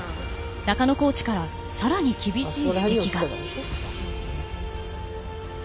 中野コーチからさらに厳しい指摘が。